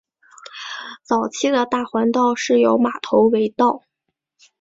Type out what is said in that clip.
早期的大环道是由马头围道。